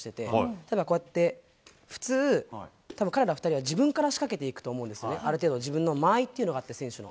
ただ、こうやって、普通、たぶん彼ら２人は自分から仕掛けていくと思うんですね、ある程度、自分の間合いっていうのがあって、選手の。